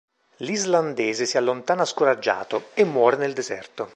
L'islandese si allontana scoraggiato, e muore nel deserto.